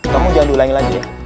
kamu jangan diulangi lagi ya